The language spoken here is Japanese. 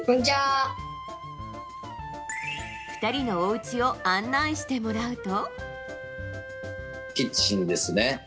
２人のおうちを案内してもらうと。